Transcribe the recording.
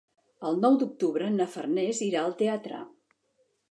El nou d'octubre na Farners irà al teatre.